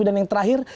dan yang terakhir